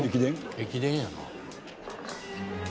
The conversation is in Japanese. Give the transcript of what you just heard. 駅伝やな。